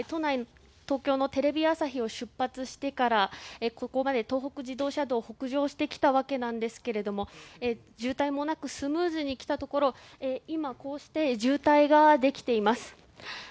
東京のテレビ朝日を出発してからここまで東北自動車道北上してきたわけですが渋滞もなくスムーズに来たところ今、渋滞ができています。